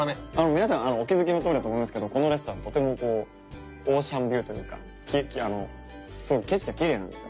皆さんお気づきの事だと思いますけどこのレストランとてもこうオーシャンビューというかすごく景色がきれいなんですよ。